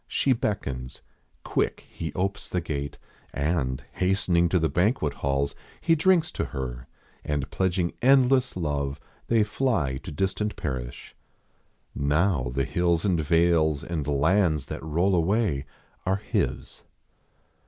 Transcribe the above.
She beckons. Quick he opes The gates, and, hastening to the banquet halls, He drinks to her, and, pledging endless love, They fly to distant parish. Now the hills And vales and lands that roll away are his.